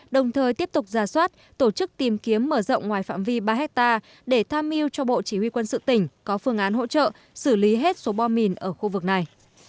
đồng thời tiếp tục ra soát tổ chức tìm kiếm mở rộng ngoài phạm vi ba hectare để tham mưu cho bộ chỉ huy quân sự tỉnh có phương án hỗ trợ xử lý hết số bom mìn ở khu vực này